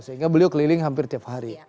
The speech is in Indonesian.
sehingga beliau keliling hampir tiap hari